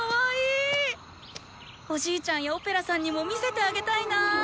おじいちゃんやオペラさんにも見せてあげたいな。